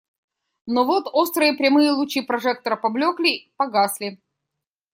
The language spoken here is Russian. Но вот острые прямые лучи прожектора поблекли, погасли.